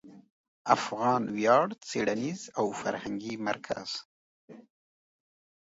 افغان ویاړ څېړنیز او فرهنګي مرکز